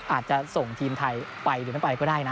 อาจจะส่งทีมไทยไปหรือไม่ไปก็ได้นะ